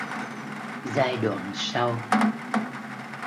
Giai đoạn sau